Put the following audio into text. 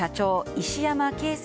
石山恵介